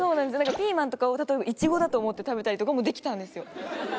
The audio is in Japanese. ピーマンとかをイチゴだと思って食べたりもできたんですよ。